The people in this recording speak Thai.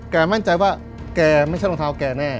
มั่นใจว่าแกไม่ใช่รองเท้าแกแน่